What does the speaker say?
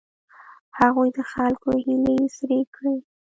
هغوی د خلکو هیلې سړې کړې.